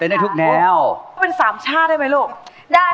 ถ้าพร้อมแล้วขอเชิญพบกับคุณลูกบาท